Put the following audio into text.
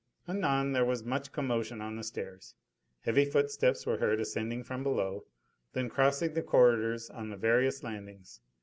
Anon there was much commotion on the stairs; heavy footsteps were heard ascending from below, then crossing the corridors on the various landings.